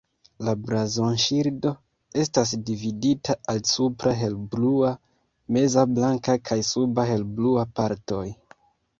La blazonŝildo estas dividata al supra helblua, meza blanka kaj suba helblua partoj.